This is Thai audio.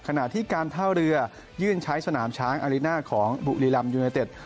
ขณะที่การท่าเรือยื่นใช้สนามช้างอาริน่าของบุรีรำยูเนเต็ด